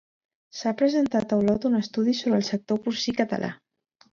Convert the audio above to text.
S'ha presentat a Olot un estudi sobre el sector porcí català.